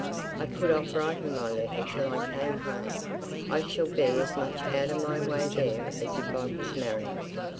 I put off writing my letter till I came home; I shall be as much out of the way there as if I was married.